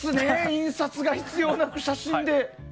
印刷が必要な写真で。